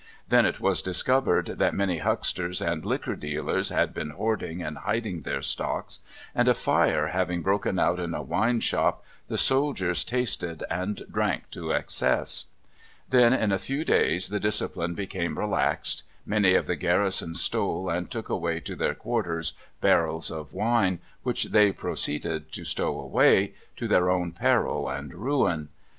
Then it was discovered that many hucksters and liquor dealers had been hoarding and hiding their stocks, and a fire having broken out in a wine shop, the soldiers tasted and drank to excess. Then in a few days the discipline became relaxed; many of the garrison stole and took away to their quarters barrels of wine, which they proceeded to stow away, to their own peril and ruin.